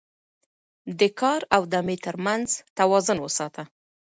د کار او دمې ترمنځ توازن وساته